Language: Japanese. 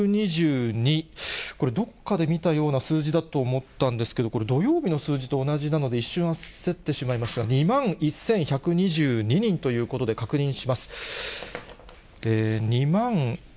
これ、どっかで見たような数字だと思ったんですけれども、これ、土曜日の数字と同じなので、一瞬焦ってしまいましたが、２万１１２２人ということで確認します。